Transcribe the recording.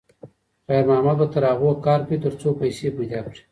خیر محمد به تر هغو کار کوي تر څو پیسې پیدا کړي.